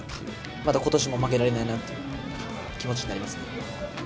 またことしも負けられないなという気持ちになりますね。